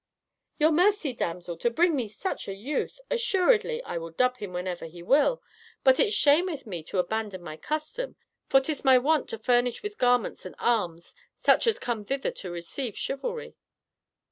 "Your mercy, damsel! to bring me such a youth! Assuredly, I will dub him whenever he will; but it shameth me to abandon my custom, for 'tis my wont to furnish with garments and arms such as come thither to receive chivalry."